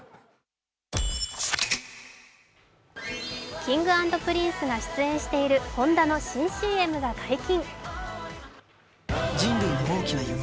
Ｋｉｎｇ＆Ｐｒｉｎｃｅが出演しているホンダの新ＣＭが解禁。